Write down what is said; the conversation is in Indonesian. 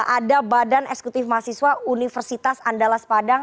ada badan eksekutif mahasiswa universitas andalas padang